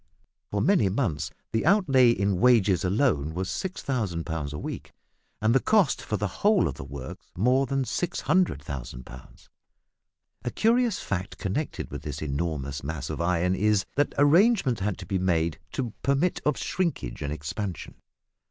For many months the outlay in wages alone was 6000 pounds a week, and the cost for the whole of the works more than 600,000 pounds. A curious fact connected with this enormous mass of iron is, that arrangements had to be made to permit of shrinkage and expansion.